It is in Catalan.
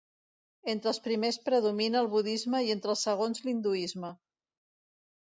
Entre els primers predomina el budisme i entre els segons l'hinduisme.